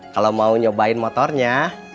kalau mau nyobain motornya